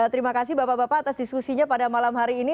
terima kasih bapak bapak atas diskusinya pada malam hari ini